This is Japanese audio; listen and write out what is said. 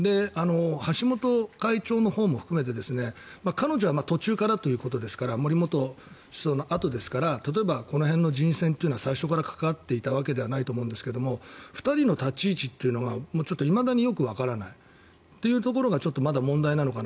橋本会長のほうも含めて彼女は途中からということですから森元会長のあとですから例えば、この辺の人選は最初から関わっていたわけではないと思いますが２人の立ち位置というのがいまだによくわからない。というところがまだ問題なのかな。